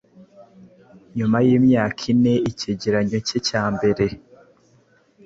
Nyuma yimyaka ineicyegeranyo cye cya mbere